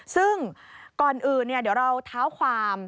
ซึ่งก่อนอื่นเดี๋ยวเราเท้าความ